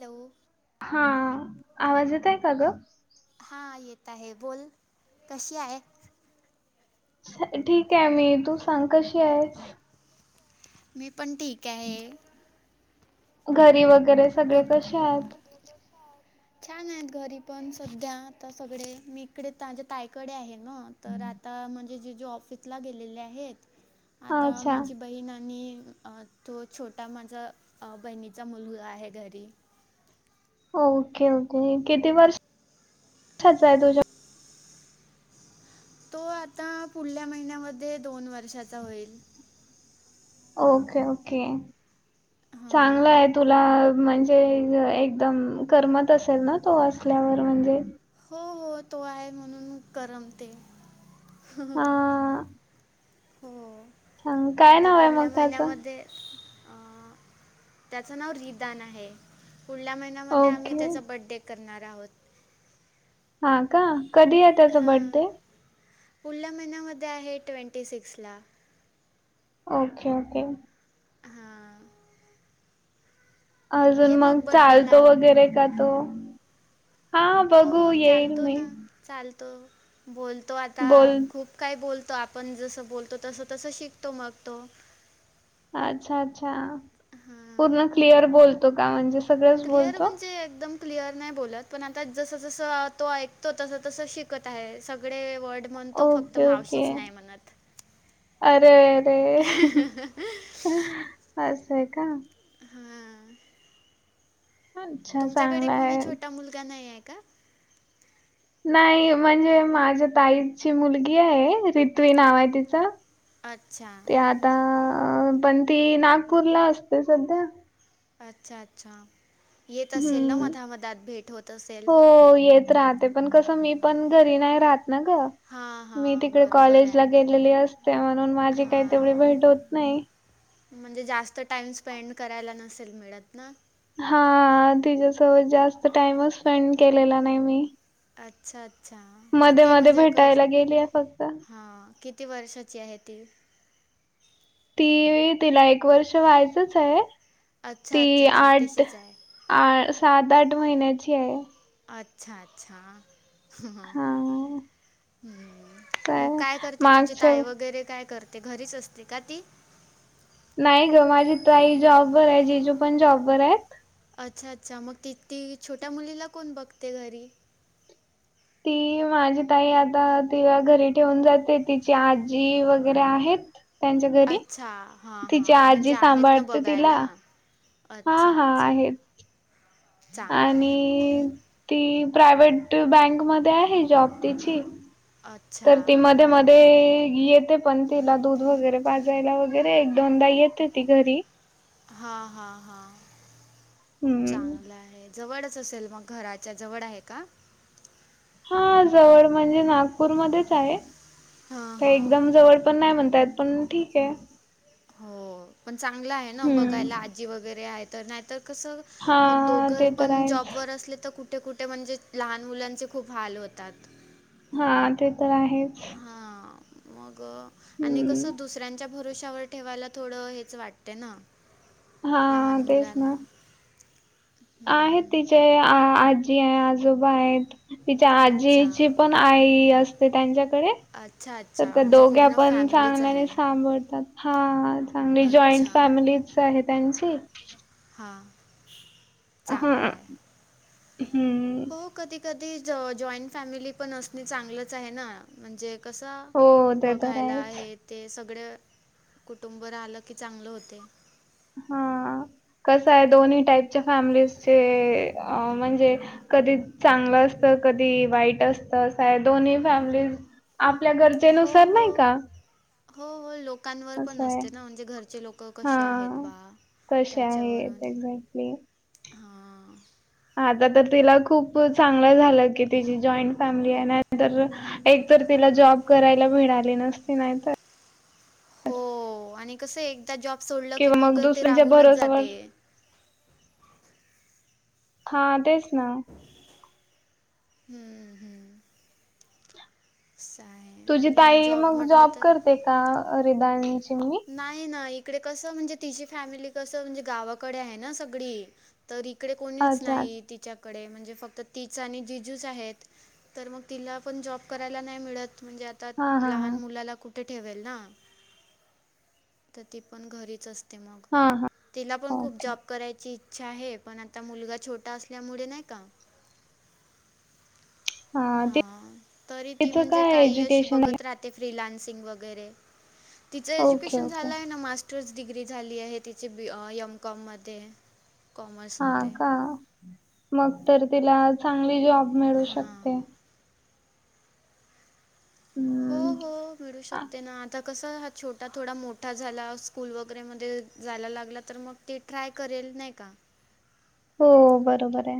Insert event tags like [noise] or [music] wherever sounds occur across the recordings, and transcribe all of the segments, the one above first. Hello. हा आवाज येतोय का ग? हा येत आहे बोल कशी आहे? ठीक आहे मी. तू सांग कशी आहेस? मी पण ठीक आहे. घरी वगैरे सगळे कसे आहेत. नज प [unintelligible] छान आहेत घरी पण सध्या आता सगळे मी इकडे तझ्या ताईकडे आहे. हा तर आता जीजू ऑफिसला गेलेले आहेत. आता अच्छा माझी बहीण आणि तो छोटा माझा बहिणीचा मुलग आहे. डॅडी. Okay okay. किती वर्षच आहे तुझ्या? तो आता पुढल्या महिन्यामध्ये दोन वर्षाचा होईल. Okay okay. हा. चांगलं आहे तुला म्हणजे एकदम करमत असेल ना तो असल्यावर म्हणजे हो हो तो आहे म्हणून करमते. हा हो सांग काय आता नाव आहे पुढल्या मग त्याचं महिन्यामध्ये. त्याच नाव रिदान आहे पुढल्या महिन्यामध्ये आम्ही ओके त्याचा बर्डे. करणार आहोत. हा का कधी आहे त्याचा हां बड्डे? पुढल्या महिन्यामध्ये आहे ट्वेंटी सिक्स ला. Okay okay. हा. अजून मग चालतो वगैरे का तो. हा हो बघू हो येईन चालतो मी. ना चालतो बोलतो आता बोल खूप. काय बोलतो आपण जसं तस तसं शिकतो मग तो. अच्छा अच्छा हां पूर्ण क्लिअर बोलतो का म्हणजे सगळंच क्लिअर बोलतो म्हणजे एकदम. क्लिअर नाही बोलत पण आता जस जसं तो ऐकतो तस तसं शिकत आहे सगळे वर्ड. म्हण तो फक्त ओके ओके मावशीच नाही म्हणत. अरे अरे असं आहे का. हां अच्छा तुमच्याकडे चांगलं कोणी आहे छोटा मुलगा नाही आहे का. नाही म्हणजे माझ्या ताईची मुलगी आहे रित्वी नाव आहे तिचं. अच्छा. ते आता पण ती नागपूरला असते सध्या. अच्छा अच्छा येत असेल ना हम्म मधामधात भेट होत असेल. हो येत राहते पण कसं मी पण घरी नाही राहत ना ग. हां मी हां तिकडे बरोबर कॉलेजला आहे गेलेली असते म्हणून माझी काही तेवढी हां भेट होत नाही. म्हणजे जास्त टाइम स्पेंड करायला नसेल मिळत ना. हा तिच्यासोबत जास्त टाइमच स्पेंड केलेला नाही मी. अच्छा अच्छा किती मध्ये-मध्ये म्हणजे कस भेटायला गेलीये फक्त. हा. किती वर्षाची आहे ती? ती तिला एक वर्ष व्हायचंच आहे अच्छा ती अच्छा आठ. छोटीशीच आहे आ सात आठ महिन्याची आहे. अच्छा अच्छा हम्म हां, हम्म. मग तर काय करते तुझी मागच्या ताई वगैरे काय करते घरीच असते का ती. नाही ग माझी ताई जॉबवर आहे जीजू पण जॉबवर आहेत. अच्छा अच्छा मग ती ती छोट्या मुलीला कोण बघते घरी. ती माझी ताई आता तिला घरी ठेवून जाते तिची आजी वगैरे आहेत. त्यांच्या घरी अच्छा हां तिची हां म्हणजे आजी आहेत ना सांभाळते तिला. बघायला हा अच्छा हा अच्छा आहेत. चांगलं आहे आणि ती प्रायवट बँकमध्ये आहे जॉब तिची. अच्छा तर ती मध्ये हां मध्ये येते पण तिला दूध वगैरे. पाजायला वगैरे एक दोनदा येते ती घरी. हा हा हा, हम्म चांगलं आहे. जवळच असेल मग, घराच्या जवळ आहे का? हा जवळ म्हणजे नागपूरमध्येच आहे, हां तर हां एकदम जवळ एकदम जवळ पण नाय म्हणता येत, पण ठीकय. हो, पण चांगलं आहे ना, हम्म बघायला आजी वगैरे आहे, तर नाहीतर कसं मग हा दोघं ते तर पण आहेच. जॉब वर असले तर कुठ कुठे कुठे म्हणजे लहान मुलांचे खूप हाल होतात. हा ते तर आहेच. हां, मग आणि हम्म कसं दुसऱ्यांच्या भरोश्यावर ठेवायला थोडं, हेच वाटत ना हा लहान तेच ना. मुलांना. आहेत हं, तिचे आजी आहे आजोबा आहेत. तिच्या अच्छा. आजीची पण आई असते त्यांच्याकडे अच्छा, तर अच्छा. त्या म्हणजे दोघ्या पूर्ण पण फॅमिलीच चांगल्याने आहे. सांभळतात. हा, चांगली जॉईंट अच्छा. फॅमिलीच आहे त्यांची. हां हां. हं चांगलं आहे. हम्म. हो, कधी कधी जॉईंट फॅमिली पण असणे चांगलच आहे ना, म्हणजे कसं, हो ते तर बघायला आहेच हे ते सगळं, कुटुंब राहिलं की चांगलं होते. हा, कसं आहे दोन्ही टाईपच्या फॅमिलीजचे अं म्हणजे कधी चांगलं असतं, कधी वाईट असतं, दोन्ही फॅमिलीज आपल्या हो गरजेनुसार हो नाही का हो हो लोकं ‌ कांवर पण असं आहे असते ना, म्हणजे घरचे लोकं हा कसे आहेत बा, तसे त्याच्यावरून आहेत एक्झॅक्टली हां. आता तर तिला खूप चांगलं झालं की, तिची जॉईंट फॅमिली आहे नंतर एक तर तिला जॉब करायला मिळाली नसती नाहीतर हो आणि कसंय एकदा जॉब सोडलं की किंवा मग ते दुसऱ्यांच्या राहूनच भरोश्यावर जातय. हा तेच ना. हम्म हम्म. असं आहे. तुझी आणि ताई मग म्हटलं जॉब तर करते का? रिदायन ची मम्मी. नाही ना, इकडे कसं म्हणजे तिची फॅमिली कसं म्हणजे गावाकडे आहे ना सगळी तर इकडे कोणीच अच्छा नाही अच्छा तिच्याकडे, म्हणजे फक्त तीच आणि जिजूच आहेत. तर मग तिला पण जॉब करायला नाही मिळत, म्हणजे आता हा हा लहान मुलाला कुठे ठेवेल ना. तर ती पण घरीच असते मग, हा हा हा तिला पण खूप ओके जॉब करायची इच्छा आहे, पण आता मुलगा छोटा असल्यामुळे नाही का हा, तरी ती तिचं म्हणजे काय काही अशी एज्युकेशन आहे बघत राहते फ्रीलान्सिंग वगैरे तिचं ओके एज्युकेशन ओके झालं आहे ना, मास्टर्स डिग्री झाली आहे तिचे ब एमकॉम मध्ये. हा का,, मग तर तिला चांगली जॉब मिळू हां शकते. हो हम्म हो, मिळू शकते ना, आता कसं, हा छोटा थोडा मोठा झाला, स्कूल वगैरेमध्ये जायला लागला, तर मग ते ट्राय करेल नाही का. हो बरोबर आहे.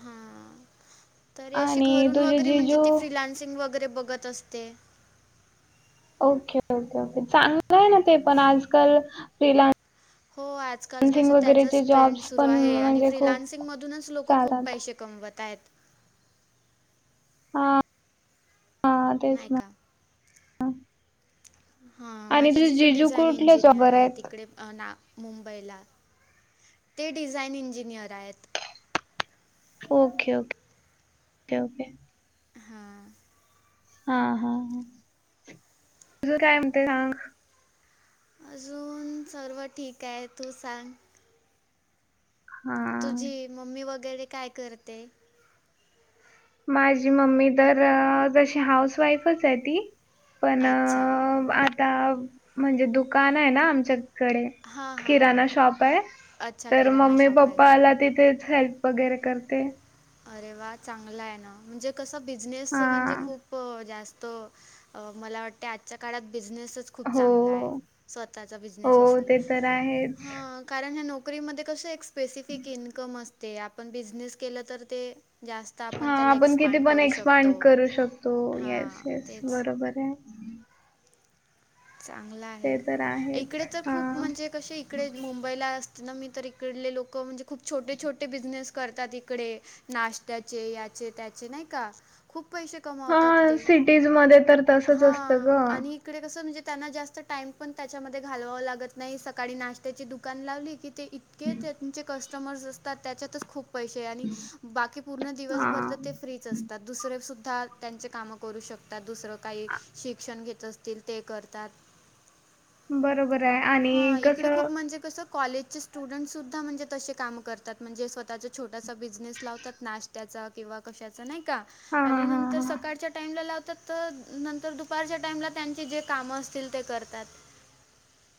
हां, तरी अशी आणि घरून तुझे वगैरे म्हणजे ती जिजू फिलान्सिंग वगैरे बघत असते. ते. ओके ओके ओके चांगलं आहे ना ते पण आजकाल फला्स. [unintelligible] आजकाल कसं त्याचाच जॉब्स ट्रेंड पण आहे आणि म्हणजे खूप फ्रीिलान्सिंग मधूनच लोक खूप पै चालतात. शकात. कमवता आहेत. हा. नायका. हा आणि माझी तुझे जी जी जीजू डिझाइन कुठल्या इंजिनियर जॉबवर आहे आहेत? तिकडे ना. मुंबईला ते डिझाईन इंजिनिअर आहेत. Okay okay okay. हा. हा हा तुझ काय म्हणते सांग? अजून सर्व ठीक आहे. तू सांग? हा. तुझी मम्मी वगैरे काय करते? माझी मम्मी तरर जशी हाऊस. अच्छा [unintelligible] आता म्हणजे दुकान आहे ना आमच्याकडे. हां हां हां किराणा शॉप आहे अच्छा तर किराणा मम्मी शॉप आहे का पप्पाला तिथेच हेल्प. वगैरे करते. अरे वा चांगला आहे ना म्हणजे कसं बिझनेस हां. म्हणजे खूप जास्त. मला वाटते आजच्या काळात बिझनेसच. खूप हो. चांगला आहे स्वतःचा हो बिझनेस ते तर आहेच. नाही कारण नक नोकरीमध्ये कस एक स्पेसिफिक इन्कम असते आपण बिझनेस केलं तर ते. जास्त हा आपण त्याला किती एक्सपांड पण करू एक्सपांड शकतो हां तेच. बरंय. चांगला ते तर आहेच. इकडे तर हा. खूप म्हणजे कसे इकडे मुंबईला. ना मी तर इकडले लोक म्हणजे खूप छोटे छोटे बिझनेस करतात इकडे. नाशत्याचे याचे त्याचे नाही का खूप पैसे. हा सिटीज मध्ये तर. तसच हा असतं ग. आणि तिकडे कसं म्हणजे त्यांना जास्त टाइम पण त्याच्यामध्ये घालवावं लागत नाही सकाळी नाश्त्याची दुकान लावली की. के त्यांचे कस्टमर्स असतात त्याच्यातच खूप. पैसे आणि बाकी पूर्ण हा. दिवसभर तर ते फ्रीच असते. तर दुसरे सुुद्धा त्यांचे कामं करू शकतात दुसरं. काही शिक्षण घेत असतील ते करतात. बरोबर हाय. हा इकडे खूप म्हणजे कसं. कॉलेजचे स्टुडंटस सुद्धा म्हणजे तसे काम करतात म्हणजे स्वतःचा छोटासा बिझनेस लावतात. नाश्त्याचा किंवा कशाचा नाही का हा हा आणि नंतर तर हा. सकाळच्या टाईमला लावतात तर नंतर दुपारच्या टाईमला त्यांचे जे कामं असतील ते करतात.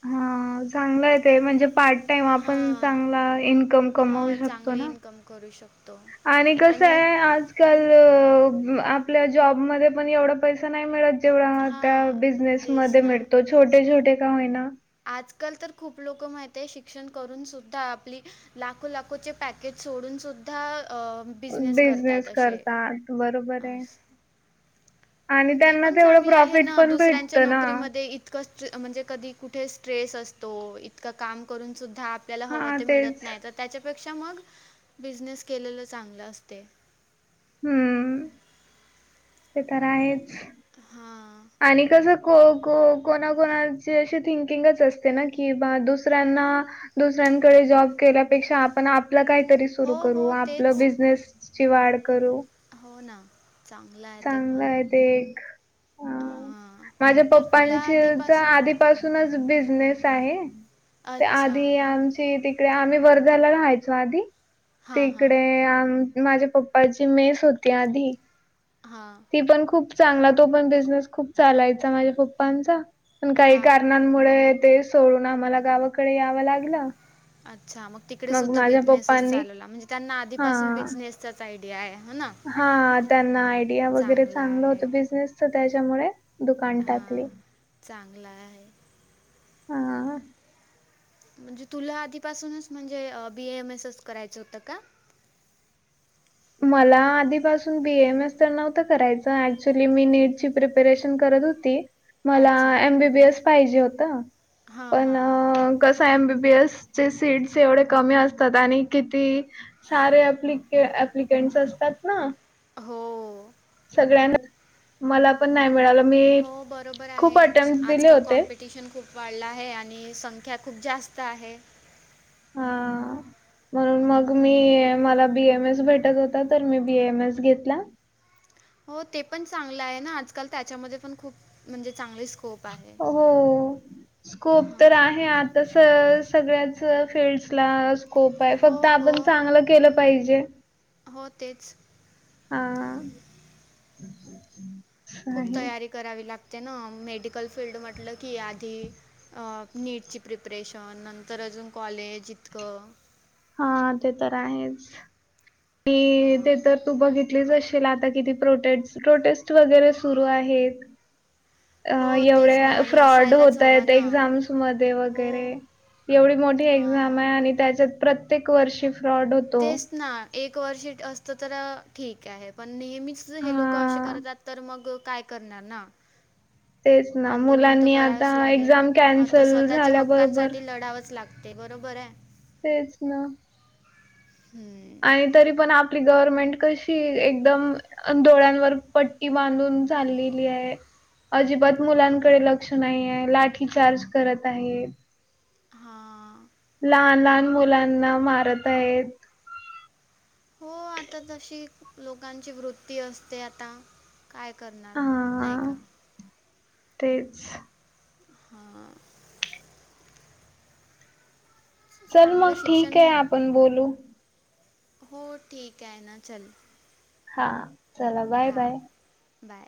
हा चांगलं आहे ते म्हणजे पार्ट तेव्हा पण आपण हां. चांगला इन्कम कमवू हां, शकतो चांगली ना. इन्कम करू शकतो. आणि कसं हाय आज-काल आपल्या जॉब मध्ये पण एवढा पैसा नाही मिळत. तेेवढा त्या हां, बिझनेस तेच मध्ये ना. मिळतो, छोटे छोटे का होईना आजकाल तर खूप लोकं माहित आहे शिक्षण करून सुद्धा आपली लाखो लाखोचे पॅकेज सोडून सुद्धा अ बिझनेस करतायत असे. करतात, बरोबर असं. हाय. आणि ते पण चांगलं आहे ना, दुसऱ्यांच्या ना. नोकरीमध्ये इत ईतका ट्रेस असतो, कधी कुठे काम करून सुद्धा त्याला हवं हां, ते तेच. मिळत नाय, तर मग त्याच्यापेक्षा मग बिजनेस केलेला चांगलं असतय. हम्म. ते तर आहेच. हां. आणि कसं को को कोणाकोणाचे असे थिंकिंगच असते ना की बा दुसऱ्यांना दुसऱ्यांकडे जॉब केल्यापेक्षा आपण आप आपलं काहीतरी सुरू हो करू, हो आपलं तेच बिझनेसची वाढ करू. हो ना. चांगलं आहे ते चांगलं पण आहे ते एक. हां माझ्या तर तुला पप्पांची तर आधीपास आधी पासूनच बिझनेस आहे, ती अच्छा आधी आमची ती आम्ही वर्धाला राहायचो आधी,, हां हां तिकडे आम माझ्या पप्पाची मेस होती आधी. हां. तो खूप चांगला चालला, तो पण बिझनेस खूप चालायचा माझ्या पप्पांचा, पण काही हां कारणाने मुळे ते सोडून आम्हाला गावाकडे यावं लागलं. अच्छा, मग तिकडे सुद्धा माझ्या बिझनेसच पप्पांनी चालवला, म्हणजे त्यांना आधीपासून हां. बिझनेस -चाच आयडिया आहे हो ना. हां, त्यांना आयडिया वगैरे चांगला चांगलं होतं, आहे बिजनेसच त्याच्यामुळे दुकान टाकलं. चांगला हाय. हां. म्हणजे तुला आधीपासूनच म्हणजे B A M M S च करायचं होतं का? मला आधीपासून बीएम एस तर नव्हतं करायचं, ऍक्च्युली मी नीटची प्रिपरेशन करत होती, मला अच्छा एमबीबीएस पाहिजे होतं, हां पण हां हां कसंय एमबीबी एस चे सीट्स एवढे कमी असतात, आणि किती सारे आपली एप्लिकेंट्स असतात ना हो सगळ्यांना, मला पण नाही मिळालं, मी हो खूप अटेम्टस दिले होते. पटिशन खूप वाढलं आहे, आणि संख्या खूप जास्त आहे. हां. म्हणून मग हम्म. मी मला बीएम एस भेटत होता तर मी बीएम एस घेतला. हो ते पण चांगलं आहे ना, आजकाल त्याच्यामध्ये पण खूप म्हणजे चांगली स्कोप आहे. हो, स्कोप तर हां आहे आता स सगळ्याच फिल्डसला स्कोप आहे, फक्त हो हो आपण चांगलं केलं पाहिजे. हो तेच हां. खूप तयारी करावी लागते ना, मेडिकल फील्ड म्हटलं की आधी नीटची प्रीपरेशन, नंतर अजून कॉलेज इतकं हा ते तर आहेच. हां ेल आता किती प्रोटे प्रोटेस्ट वगैरे सुरू आहेत. अ हो तेच ना एवढ्या आणि फ्रॉड असायलाच आहेत हवं ना एक्झाम्समध्ये हो वगैरे. एवढी मोठी एक्झाम हां आहे आणि त्याच्यात प्रत्येक वर्षी फ्रॉड हो. तेच ना एक असत तर ठीक आहे पण नेहमीच हे लोक हा करतात. तर मग काय करणार ना. तेच ना आंदोलन तर मुलांनी आता करावच लागेल एक्झाम आता कॅन्सल स्वतःच्या झाल्याबरोबर हक्कांसाठी लढावंच लागत. ते बरोबर आहे. तेच ना. हम्म. आणि तरी पण आपली गव्हर्नमेंट कशी एकदम डोळ्यांवर पट्टी बांधून चालेली आहे. अजिबात मुलांकडे लक्ष नाही आहे लाठी चार्ज करत आहेत. हा. लहान लहान मुलांना मारत आहेत. हो आता तशी लोकांची वृत्ती असते आता. काय करणार नाही हां, का. तेच. हा. चल चांगलं ठीक आहे शिक्षण आपण बोलू. हो ठीक आहे ना चल‌. हा चला बाय बाय. बाय.